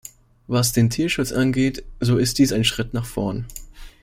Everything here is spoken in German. Was den Tierschutz angeht, so ist dies ein Schritt nach vorn.